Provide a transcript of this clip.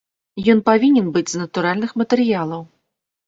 Ён павінен быць з натуральных матэрыялаў.